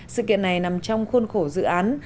sự kiện này nằm trong khuôn khổ dự án